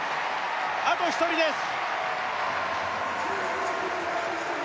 あと１人です